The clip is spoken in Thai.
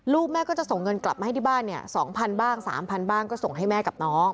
แม่ก็จะส่งเงินกลับมาให้ที่บ้านเนี่ย๒๐๐บ้าง๓๐๐บ้างก็ส่งให้แม่กับน้อง